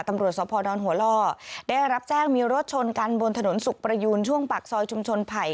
ตำรวจสภดอนหัวล่อได้รับแจ้งมีรถชนกันบนถนนสุขประยูนช่วงปากซอยชุมชนไผ่